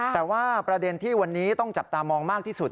แต่ว่าประเด็นที่วันนี้ต้องจับตามองมากที่สุด